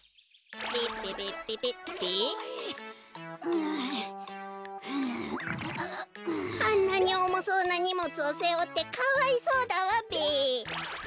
こころのこえあんなにおもそうなにもつをせおってかわいそうだわべ。